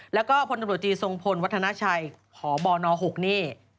แล้วก็พนตรวจีทรงพลวัฒนชัยหอบน๖เน่